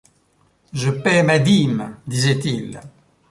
Je paye ma dîme, disait-il.